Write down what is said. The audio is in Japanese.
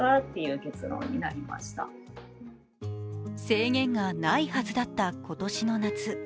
制限がないはずだった今年の夏。